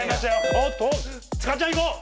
おおっと塚っちゃんいこう！